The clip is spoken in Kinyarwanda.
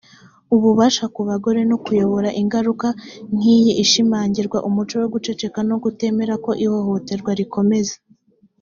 ububasha ku bagore no kubayobora ingaruka nk iyi ishimangirwa n umuco wo guceceka no kutemera ko ihohoterwa rikomeza